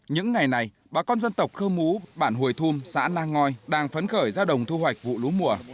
những ngày này bà con dân tộc khơ mú bản hồi thum xã nang ngoi đang phấn khởi ra đồng thu hoạch vụ lúa mùa